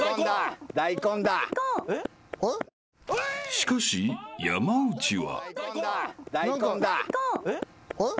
［しかし山内は］何か。